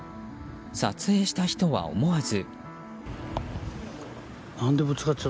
撮影した人は思わず。